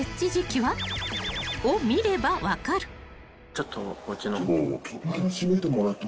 ちょっとこっちの方。